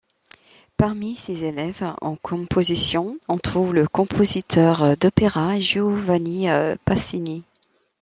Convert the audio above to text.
Parmi ses élèves en composition, on trouve le compositeur d'opéra Giovanni Pacini.